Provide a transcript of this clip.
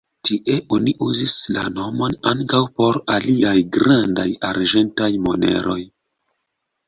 Tie oni uzis la nomon ankaŭ por aliaj grandaj arĝentaj moneroj.